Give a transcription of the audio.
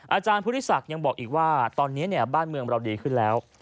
อาจารย์พุทธิศักดิ์ยังบอกอีกว่าตอนนี้บ้านเมืองเราดีขึ้นแล้ว